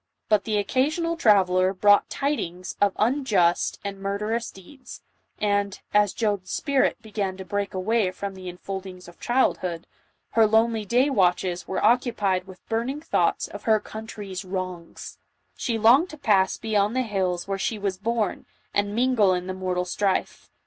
But the occasional traveller brought tidings of unjust and murderous deeds, and, as Joan's spirit began to break away from the enfoklings of childhood, her lonely day watches were occupied with burning thoughts of her country's wrongs ; she longed to pass beyond the hills where she was born, and mingle in the mortal strife.